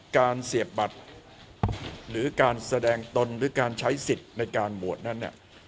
การเสียบบัตรหรือการแสดงตนหรือการใช้สิทธิ์ในการหมวดนั้น